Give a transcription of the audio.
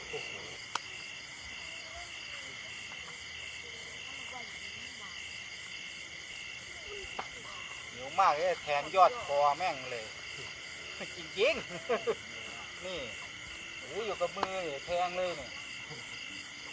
เหนียวมากแทงยอดคอแม่งเลยจริงจริงนี่อยู่กับมือแทงเลยนี่